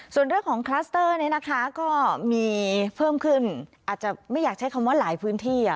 ส่วนเรื่องของคลัสเตอร์นี้นะคะก็มีเพิ่มขึ้นอาจจะไม่อยากใช้คำว่าหลายพื้นที่